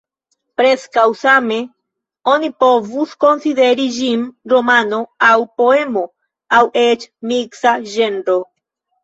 Preskaŭ same oni povus konsideri ĝin romano aŭ poemo, aŭ eĉ miksa ĝenro.